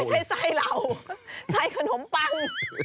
ไม่ใช่ไส้เราไส้ขนมปัง